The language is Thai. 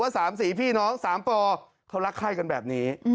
สามสี่พี่น้อง๓ปเขารักไข้กันแบบนี้